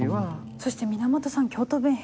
そして源さん京都弁ヘタ。